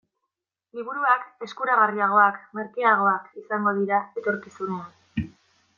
Liburuak eskuragarriagoak, merkeagoak, izango dira etorkizunean.